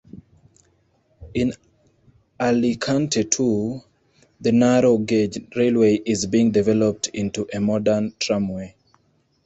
In Alicante too, the narrow gauge railway is being developed into a modern tramway.